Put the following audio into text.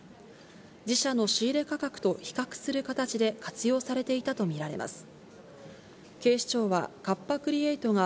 自社の仕入れ価格と比較する形で活用されていたと見られます。